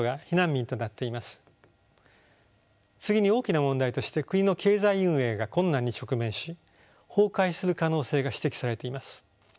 次に大きな問題として国の経済運営が困難に直面し崩壊する可能性が指摘されています。